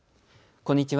こんにちは。